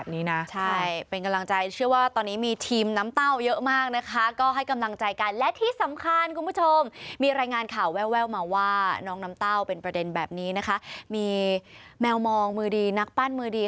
น้องน้ำเต้าเป็นประเด็นแบบนี้นะคะมีแมวมองมือดีนักปั้นมือดี